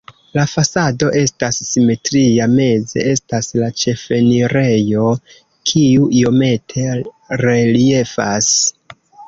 La fasado estas simetria, meze estas la ĉefenirejo, kiu iomete reliefas.